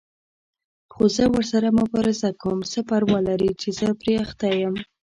خو زه ورسره مبارزه کوم، څه پروا لري چې زه پرې اخته یم.